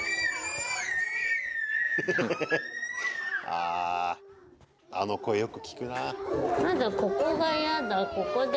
あああの声よく聞くなあ。